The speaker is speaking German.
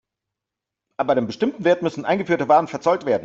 Ab einem bestimmten Wert müssen eingeführte Waren verzollt werden.